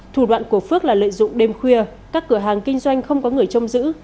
thủ đoạn của phước là lợi dụng đêm khuya các cửa hàng kinh doanh không có người trông giữ